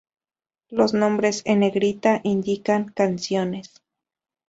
Los nombres en negrita indican canciones.